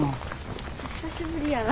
めっちゃ久しぶりやな。